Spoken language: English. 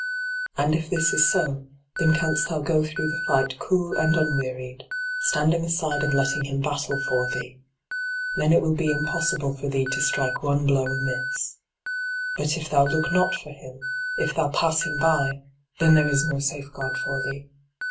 And if this is so, then canst thou go through the fight cool and unwearied, standing aside and letting him battle for thee. Then it will be impossible for thee to strike one blow amiss. But if thou look not for him, if thou pass him by, then there is no safeguard for thee.